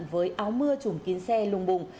với áo mưa trùm kín xe lùng bùng